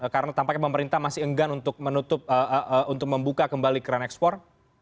karena tampaknya pemerintah masih enggan untuk membuka kembali kran ekspor